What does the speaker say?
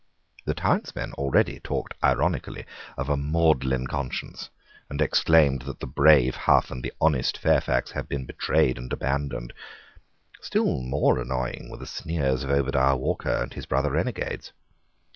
The townsmen already talked ironically of a Magdalene conscience, and exclaimed that the brave Hough and the honest Fairfax had been betrayed and abandoned. Still more annoying were the sneers of Obadiah Walker and his brother renegades.